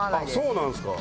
そうなんですか。